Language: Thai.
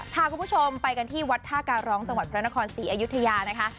พาคุณผู้ชมไปกันที่วัดท่าการร้องจังหวัดพระนครศรีอยุธยานะคะ